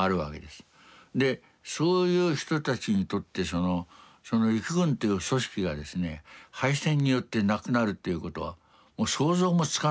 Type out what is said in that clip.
でそういう人たちにとって陸軍という組織がですね敗戦によってなくなるということはもう想像もつかないわけですね。